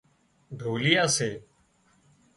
ڍوليئا سي